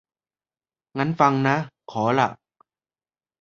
งั้นฟังนะ ขอล่ะ